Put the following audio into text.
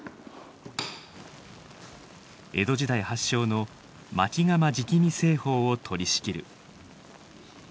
江戸時代発祥の薪窯直煮製法を取りしきる。